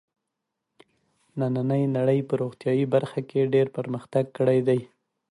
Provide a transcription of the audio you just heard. نننۍ نړۍ په روغتیايي برخه کې ډېر پرمختګ کړی دی.